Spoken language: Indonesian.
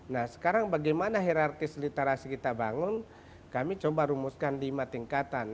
nah sekarang bagaimana hirarkis literasi kita bangun kami coba rumuskan lima tingkatan